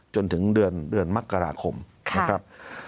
จนถึงเดือนมกราคมนะครับ